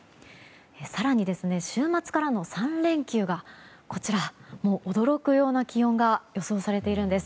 更に、週末からの３連休が驚くような気温が予想されているんです。